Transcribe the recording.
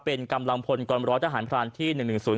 เป็นกำลังพลกองร้อยทหารพรานที่๑๑๐